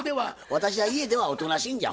私は家ではおとなしいんじゃ。